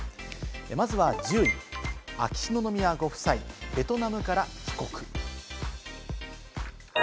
まずは１０位、秋篠宮ご夫妻、ベトナムから帰国。